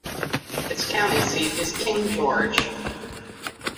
Its county seat is King George.